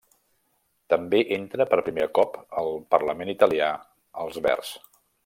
També entra per primer cop al Parlament italià els Verds.